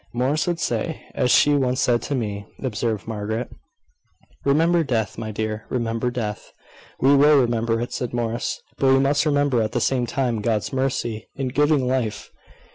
"Morris would say, as she once said to me," observed Margaret, "`Remember death, my dear; remember death.'" "We will remember it," said Morris, "but we must remember at the same time God's mercy in giving life.